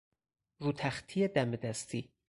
روتختی دم دستی